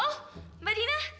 oh mbak dina